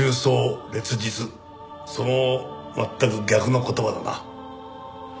その全く逆の言葉だな。